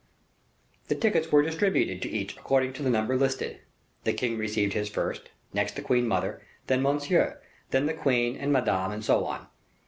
The tickets were distributed to each according to the number listed. The king received his first, next the queen mother, then Monsieur, then the queen and Madame, and so on.